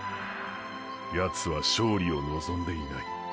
ヤツは「勝利」をのぞんでいない。